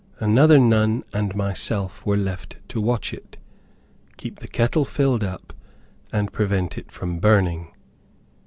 Another nun and myself were left to watch it, keep the kettle filled up, and prevent it from burning.